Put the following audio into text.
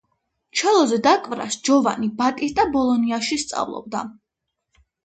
ჩელოზე დაკვრას ჯოვანი ბატისტა ბოლონიაში სწავლობდა.